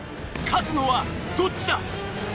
勝つのはどっちだ？